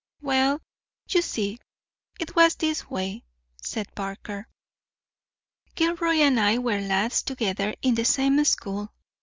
"Well, you see, it was this way," said Parker. "Gilroy and I were lads together in the same school.